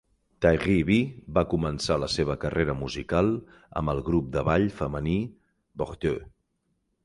Tairrie B va començar la seva carrera musical amb el grup de ball femení Bardeux.